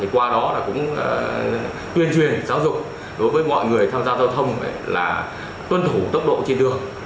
qua đó cũng tuyên truyền giáo dục đối với mọi người tham gia giao thông là tuân thủ tốc độ trên đường